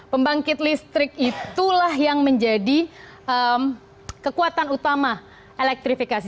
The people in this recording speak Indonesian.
pembangkit listrik itulah yang menjadi kekuatan utama elektrifikasi